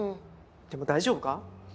でも大丈夫か？